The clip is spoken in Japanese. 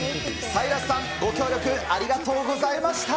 サイラスさん、ご協力ありがとうございました。